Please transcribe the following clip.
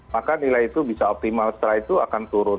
maka nilai itu bisa optimal setelah itu akan turun